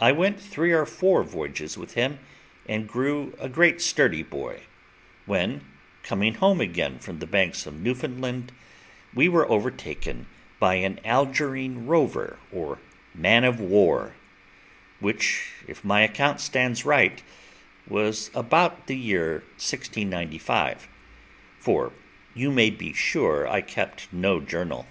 I went three or four voyages with him, and grew a great sturdy boy, when, coming home again from the banks of Newfoundland, we were taken by an Algerine rover, or man of war; which, if my account stands right, was about the year 1695, for you may be sure I kept no journal.